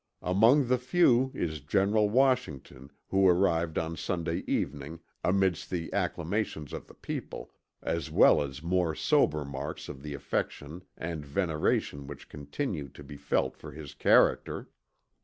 Among the few is General Washington who arrived on Sunday evening, amidst the acclamations of the people, as well as more sober marks of the affection and veneration which continue to be felt for his character."